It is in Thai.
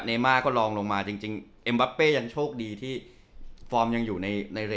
เนมาก็ลองลงมาจริงจริงยังโชคดีที่ยังอยู่ในใน